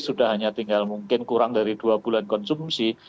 sudah hanya tinggal mungkin kurang dari dua bulan konsumsi